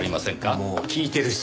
もう聞いてるし。